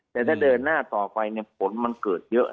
แต่ถ้าเดินหน้าต่อไปผลมันเกิดเยอะ